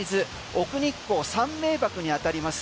奥日光三名瀑にあたります